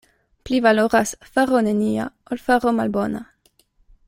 Pli valoras faro nenia, ol faro malbona.